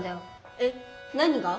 えっ何が？